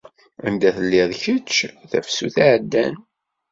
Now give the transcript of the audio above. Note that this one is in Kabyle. Anda telliḍ kečč tafsut iɛeddan?